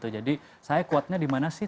jadi saya kuatnya di mana sih